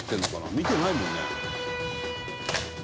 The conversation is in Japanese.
「見てないもんね」